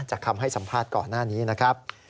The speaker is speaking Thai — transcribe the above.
คำให้สัมภาษณ์ก่อนหน้านี้นะครับ